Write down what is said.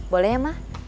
boleh ya mah